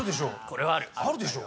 あるでしょ？